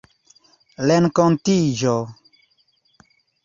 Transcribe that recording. renkontiĝo